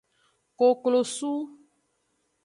Koklosu.